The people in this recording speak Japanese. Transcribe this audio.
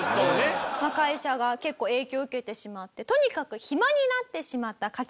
会社が結構影響を受けてしまってとにかく暇になってしまったカキダさんです。